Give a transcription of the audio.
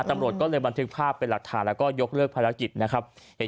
ตำรวจก็เลยบันทึกภาพเป็นหลักฐานแล้วก็ยกเลิกภารกิจนะครับ